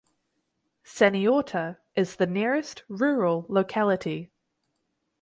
Saniorta is the nearest rural locality.